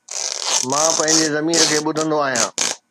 مان پنهنجي ضمير کي ٻڌندو آهيان